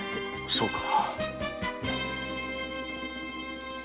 そうか。